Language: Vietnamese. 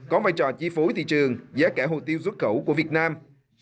có vai trò chi phối thị trường giá cả hồ tiêu xuất khẩu của việt nam